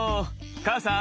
母さん